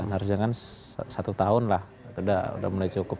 harga kan satu tahun lah sudah mulai cukup